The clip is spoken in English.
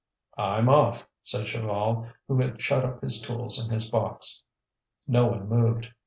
"I'm off," said Chaval, who had shut up his tools in his box. No one moved.